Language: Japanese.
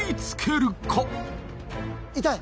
痛い！